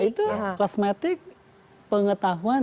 itu kosmetik pengetahuan